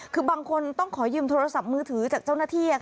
คือบางคนต้องขอยืมโทรศัพท์มือถือจากเจ้าหน้าที่